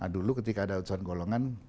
dulu ketika ada utusan golongan